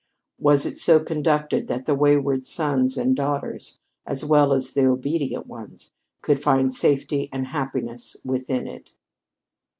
Was it so conducted that the wayward sons and daughters, as well as the obedient ones, could find safety and happiness within it?